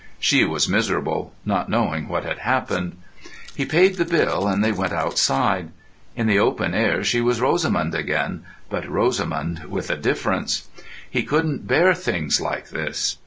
She was miserable, not knowing what had happened. He paid the bill and they went outside. In the open air she was Rosamund again, but Rosamund with a difference. He couldn't bear things like this.